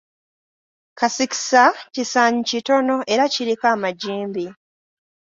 Kasikisa kisaanyi kitono era kiriko amagimbi.